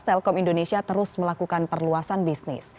telkom indonesia terus melakukan perluasan bisnis